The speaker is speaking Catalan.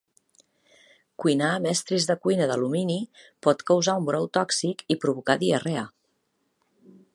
Cuinar amb estris de cuina d'alumini pot causar un brou tòxic i provocar diarrea.